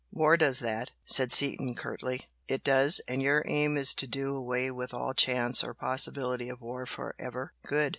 "War does that," said Seaton, curtly. "It does. And your aim is to do away with all chance or possibility of war for ever. Good!